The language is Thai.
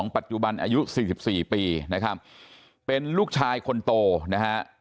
ปัจจุบันอายุ๔๔ปีนะครับเป็นลูกชายคนโตนะฮะ